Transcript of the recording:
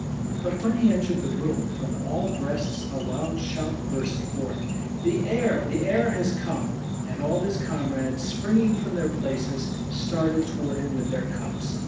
But when he entered the room, from all breasts a loud shout burst forth: "The heir, the heir has come!" and all his comrades, springing from their places, started toward him with their cups.